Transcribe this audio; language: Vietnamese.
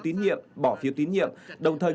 tín nhiệm bỏ phiêu tín nhiệm đồng thời